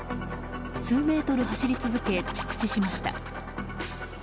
数メートル走り続け着地しました。